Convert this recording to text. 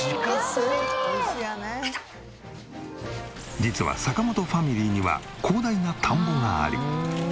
実は坂本ファミリーには広大な田んぼがあり。